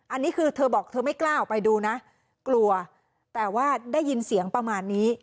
อันนี้คือเธอบอกเธอไม่กล้าออกไปดูนะกลัวแต่ว่าได้ยินเสียงประมาณนี้